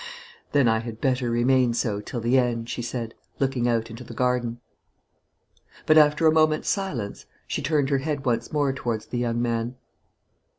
"Then I had better remain so till the end," she said, looking out into the garden. But after a moment's silence she turned her head once more towards the young man.